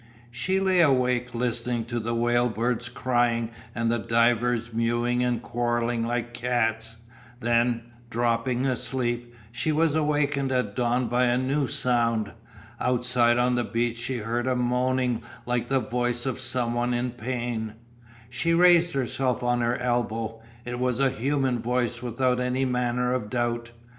She lay awake listening to the whale birds crying and the divers mewing and quarrelling like cats, then, dropping asleep, she was awakened at dawn by a new sound. Outside on the beach she heard a moaning like the voice of someone in pain. She raised herself on her elbow. It was a human voice without any manner of doubt.